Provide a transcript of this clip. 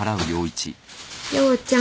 陽ちゃん。